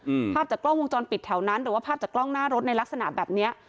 อืมภาพจากกล้องวงจรปิดแถวนั้นหรือว่าภาพจากกล้องหน้ารถในลักษณะแบบเนี้ย